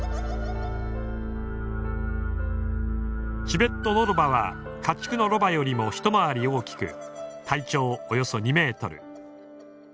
チベットノロバは家畜のロバよりも回り大きく体長およそ２ｍ。